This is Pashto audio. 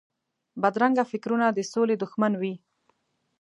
بدرنګه فکرونه د سولې دښمن وي